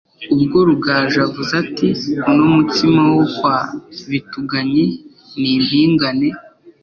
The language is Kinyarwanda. ubwo Rugaju avuze ati Uno mutsima wo kwa Bituganyi ni impingane